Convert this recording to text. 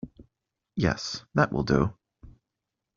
Yes, that will do.